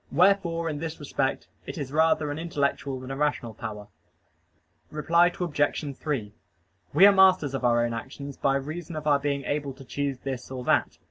Wherefore in this respect it is rather an intellectual than a rational power. Reply Obj. 3: We are masters of our own actions by reason of our being able to choose this or that.